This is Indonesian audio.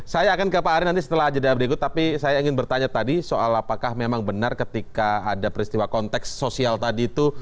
saya akan ke pak ari nanti setelah jeda berikut tapi saya ingin bertanya tadi soal apakah memang benar ketika ada peristiwa konteks sosial tadi itu